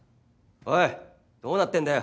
おいどうなってんだよ？